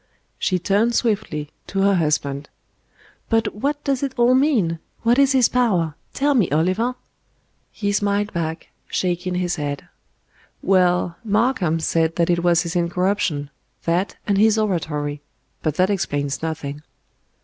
She turned swiftly to her husband. "But what does it all mean? What is His power? Tell me, Oliver?" He smiled back, shaking his head. "Well, Markham said that it was his incorruption that and his oratory; but that explains nothing."